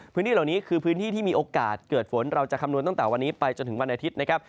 พื้นที่เหล่านี้คือพื้นที่ที่มีโอกาสเกิดฝนเราจะคำนวณตั้งแต่วันนี้ไปจนถึงวันอาทิตย์นะครับ